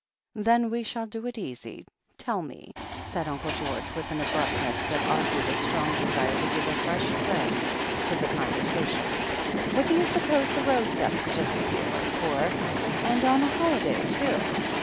"Then we shall do it easy. Tell me," said Uncle George, with an abruptness that argued a strong de sire to give a fresh trend to the conversation, "what do you suppose the road's up, just here, for — ^and on a holiday, too?"